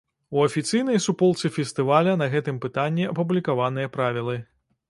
У афіцыйнай суполцы фестываля па гэтым пытанні апублікаваныя правілы.